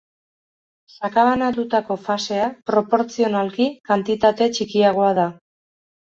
Sakabanatutako fasea proportzionalki kantitate txikiagoa da.